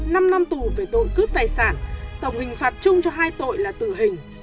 năm năm tù về tội cướp tài sản tổng hình phạt chung cho hai tội là tử hình